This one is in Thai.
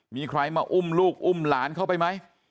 มีใครมาอุ้มลูกอุ้มหลานเข้าไปไหม